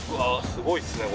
すごいっすね